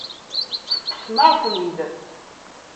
Teṭṭfem-aɣ-ten-id.